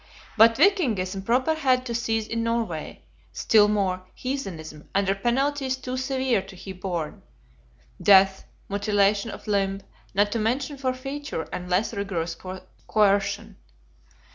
But Vikingism proper had to cease in Norway; still more, Heathenism, under penalties too severe to be borne; death, mutilation of limb, not to mention forfeiture and less rigorous coercion.